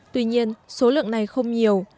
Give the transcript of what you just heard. tuy nhiên số lượng này không nhiều